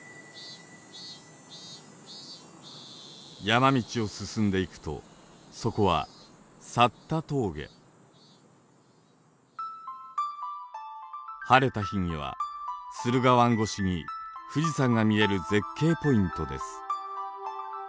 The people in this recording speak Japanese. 山道を進んでいくとそこは「峠」晴れた日には駿河湾越しに富士山が見える絶景ポイントです。